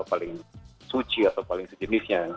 paling suci atau paling sejenisnya